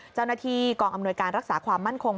เจ้าหน้าที่กองอำนวยการรักษาความมั่นคง